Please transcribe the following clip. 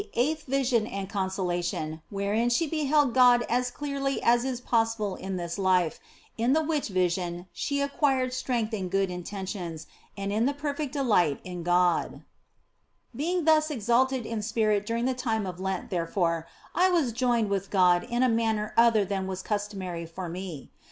EIGHTH VISION AND CONSOLATION, WHEREIN SHE BE HELD GOD AS CLEARLY AS IS POSSIBLE IN THIS LIFE, IN THE WHICH VISION SHE ACQUIRED STRENGTH IN GOOD INTENTIONS AND IN THE PERFECT DELIGHT IN GOD BEING thus exalted in spirit during the time of Lent, therefore, I was joined with God in a manner other than was customary for me.